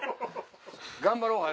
頑張ろう早。